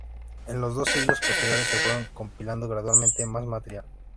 En los dos siglos posteriores se fueron compilando gradualmente más material.